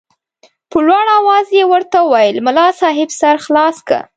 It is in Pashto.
په لوړ اواز یې ورته وویل ملا صاحب سر خلاص که.